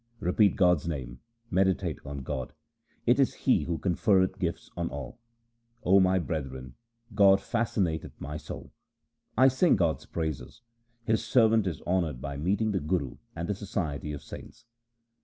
Repeat God's name, meditate on God ; it is He who conferreth gifts on all. 0 my brethren, God fascinateth my soul. 1 sing God's praises ; His servant is honoured by meeting the Guru and the society of saints.